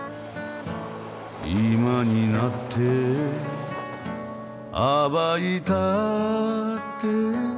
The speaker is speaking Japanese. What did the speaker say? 「今になってあばいたって」